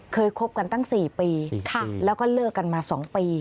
คบกันตั้ง๔ปีแล้วก็เลิกกันมา๒ปี